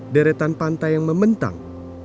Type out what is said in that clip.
deretan pantai yang membentang